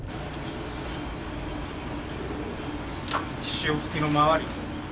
潮吹きの周り。